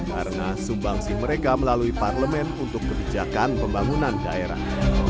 karena sumbangsi mereka melalui parlemen untuk kebijakan pembangunan daerah